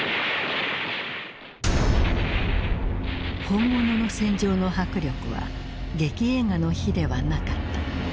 本物の戦場の迫力は劇映画の比ではなかった。